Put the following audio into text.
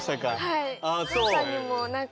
はい。